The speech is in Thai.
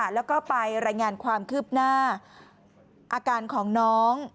แล้วก็ไปรายงานความคืบหน้าอาการของน้อง